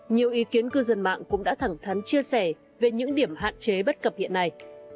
nhiều ý kiến cư dân mạng cũng đã thẳng thắn chia sẻ về những điểm hạn chế bất cập hiện nay